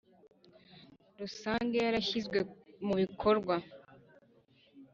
Rusange yarashyizwe mubikorwa